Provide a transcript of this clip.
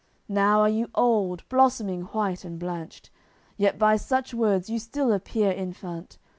Now are you old, blossoming white and blanched, Yet by such words you still appear infant.